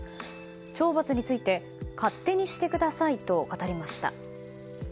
懲罰について勝手にしてくださいと語りました。